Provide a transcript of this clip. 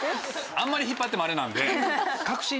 あんまり引っ張ってもあれなんで。